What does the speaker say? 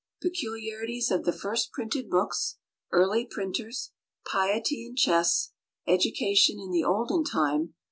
Peculiarities of the First Printed Books. Early Printers. Piety and Chess. Education in the Olden Time.